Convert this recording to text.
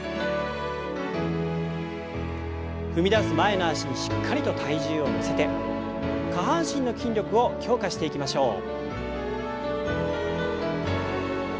踏み出す前の脚にしっかりと体重を乗せて下半身の筋力を強化していきましょう。